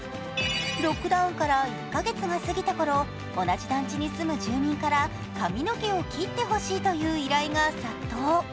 ロックダウンから１カ月が過ぎたころ、同じ団地に住む住民から髪の毛を切ってほしいという依頼が殺到。